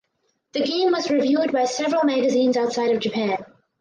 The game was reviewed by several magazines outside of Japan.